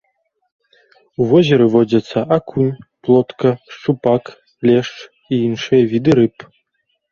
У возеры водзяцца акунь, плотка, шчупак, лешч і іншыя віды рыб.